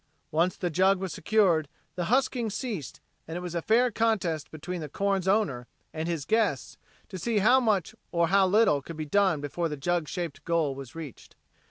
Once the jug was secured, the huskings ceased, and it was a fair contest between the corn's owner and his guests to see how much or how little could be done before the jug shaped goal was reached.